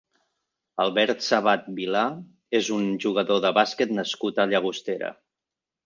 Albert Sàbat i Vilà és un jugador de bàsquet nascut a Llagostera.